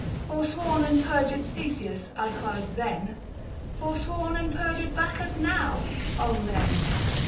Forsworn and perjured Theseus, I cried then ; Forsworn and perjured Bacchus now ! men